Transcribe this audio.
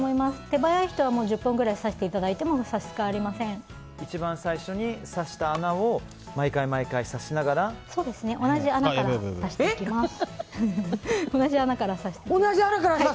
手早い人は１０本くらい刺していただいても一番最初に刺した穴を同じ穴から刺していきます。